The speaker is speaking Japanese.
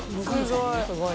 すごい。